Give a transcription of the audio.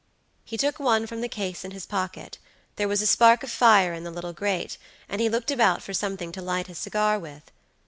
He took one from the case in his pocket: there was a spark of fire in the little grate, and he looked about for something to light his cigar with.